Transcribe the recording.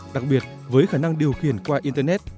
đặc biệt với khả năng điều khiển qua internet